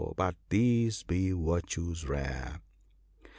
but these be virtues rare